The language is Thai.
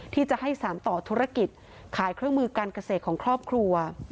ที่จะให้สารต่อธุรกิจขายเครื่องมือการเกษตรของครอบครัว